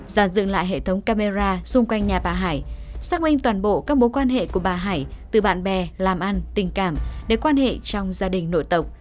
giả dựng lại hệ thống camera xung quanh nhà bà hải xác minh toàn bộ các mối quan hệ của bà hải từ bạn bè làm ăn tình cảm đến quan hệ trong gia đình nổi tộc